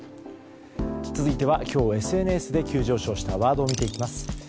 続いては今日ＳＮＳで急上昇したワードを見ていきます。